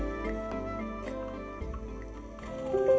pembangunan di pembangunan